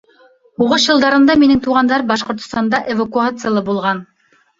Һуғыш йылдарында минең туғандар Башҡортостанда эвакуацияла булған.